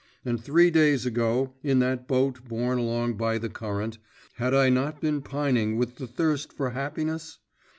And three days ago, in that boat borne along by the current, had I not been pining with the thirst for happiness?